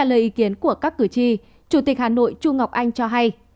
trước tiên của các cử tri chủ tịch hà nội chu ngọc anh cho hay